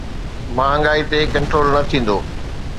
مهانگائي تي ڪنٽرول نه ٿيندو.